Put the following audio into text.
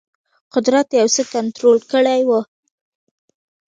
قدرت یو څه کنټرول کړی وو.